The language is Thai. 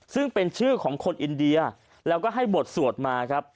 ซึ่งเป็นชื่อของคนอินเดียแล้วก็ให้บทสวดมาครับ